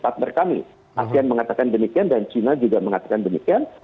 asean mengatakan demikian dan cina juga mengatakan demikian